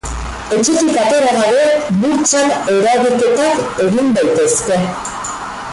Etxetik atera gabe burtsan eragiketak egin daitezke.